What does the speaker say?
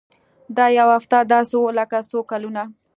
دا يوه هفته داسې وه لکه څو کلونه.